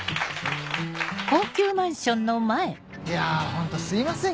いやホントすいません